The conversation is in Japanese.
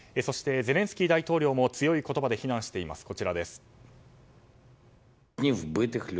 そしてゼレンスキー大統領も強い言葉で非難しています。